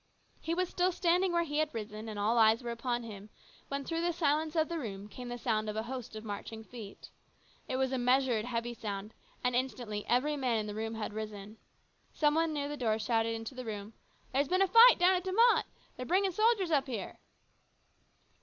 He was still standing where he had risen, and all eyes were upon him, when through the silence of the room came the sound of a host of marching feet. It was a measured, heavy sound, and instantly every man in the room had risen. Some one near the door shouted into the room, " There's been a fight down at De Mott ! They're bringing soldiers up here."